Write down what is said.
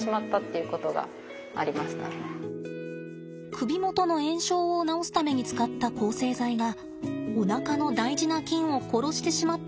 首元の炎症を治すために使った抗生剤がおなかの大事な菌を殺してしまったのが原因でした。